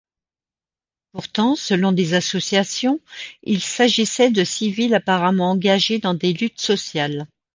Pourtant, selon des associations, il s'agissait de civils apparemment engagés dans des luttes sociales.